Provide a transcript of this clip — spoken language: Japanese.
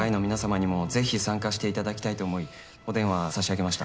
（天是非参加していただきたいと思いお電話差し上げました。